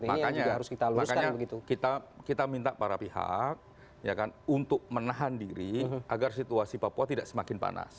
makanya kita minta para pihak untuk menahan diri agar situasi papua tidak semakin panas